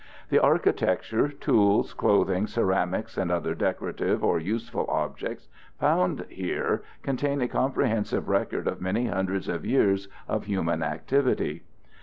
The architecture, tools, clothing, ceramics, and other decorative or useful objects found here contain a comprehensive record of many hundreds of years of human activity.